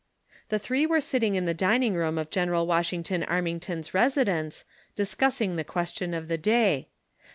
The three were sitting in the dining room of General Washington Armington's residence, discussing the ques tion of the day.